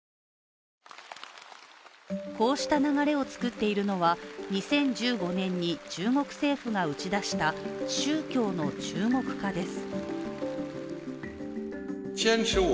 こうした流れを作っているのは２０１５年に中国政府が打ち出した宗教の中国化です。